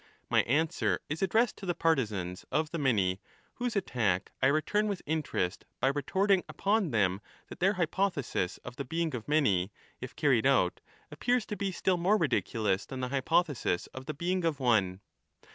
My answer is addressed to the partisans of the many, whose attack I return with interest by retorting upon them that their h3rpothesis of the being of many, if carried out, appears to be still more ridiculous than the hypothesis of the being of one.